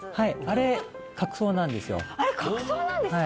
あれ角層なんですか？